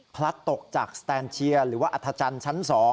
พลัดตกจากสแตนเชียร์หรือว่าอัธจันทร์ชั้น๒